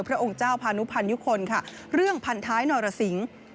พระองค์เจ้าพานุพันธ์ยุคคลค่ะเรื่องผันท้ายหน่อยละสิงค่ะ